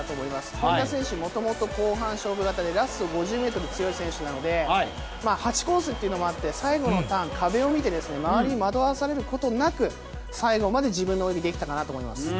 本多選手、もともと後半勝負形で、ラスト５０メートル強い選手なので、８コースというのもあって、最後のターン、壁を見て、周りに惑わされることなく、最後まで自分の泳ぎできたかなと思います。